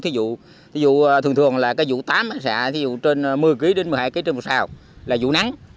thí dụ thường thường là cái vụ tám xạ thí dụ trên một mươi kg đến một mươi hai kg trên một xào là vụ nắng